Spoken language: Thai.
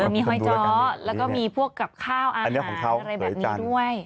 มีหอยจ้อแล้วก็มีพวกกับข้าวอาหารไทยอะไรแบบนี้ด้วย